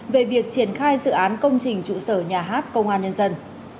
về việc triển khai dự án công trình trụ sở nhà hát công an nhân dân